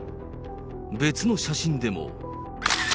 別の写真でも。